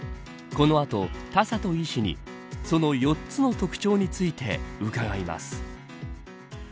この後、田里医師にその４つの特徴について伺います。